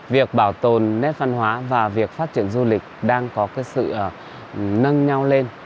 việc bảo tồn nét văn hóa và việc phát triển du lịch đang có sự nâng nhau lên